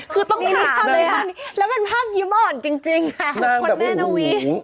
คือต้องถามเลยค่ะแล้วมันภาพยิ้มอ่อนจริงค่ะคนแน่นะวิ